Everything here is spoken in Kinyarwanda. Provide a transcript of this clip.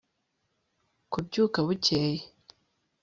kubyuka bukeye